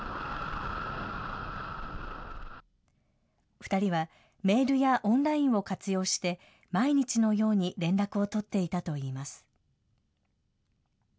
２人は、メールやオンラインを活用して、毎日のように連絡を取っていたといいます。